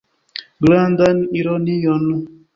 Grandan ironion.